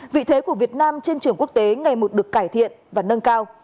vị thế của việt nam trên trường quốc tế ngày một được cải thiện và nâng cao